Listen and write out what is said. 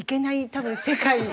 多分世界で。